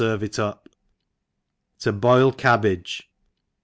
erve it up. To boil CabbagE